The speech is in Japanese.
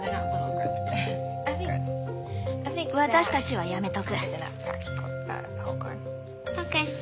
私たちはやめとく。